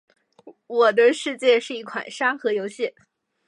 《我的世界》是一款沙盒游戏。